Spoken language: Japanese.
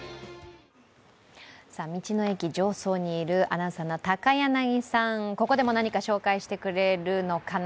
道の駅常総によるアナウンサーの高柳さん、ここでも何か紹介してくれるのかな？